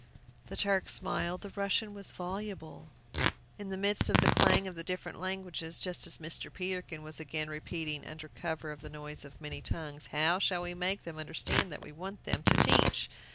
The Turk smiled, the Russian was voluble. In the midst of the clang of the different languages, just as Mr. Peterkin was again repeating, under cover of the noise of many tongues, "How shall we make them understand that we want them to teach?"